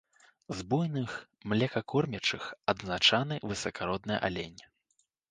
З буйных млекакормячых адзначаны высакародны алень.